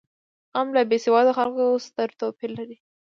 قلم له بېسواده خلکو ستر توپیر لري